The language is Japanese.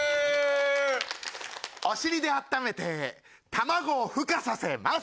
お尻であっためて卵を孵化させます。